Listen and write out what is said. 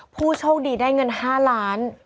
ผู้โชคดีได้เงิน๕ล้าน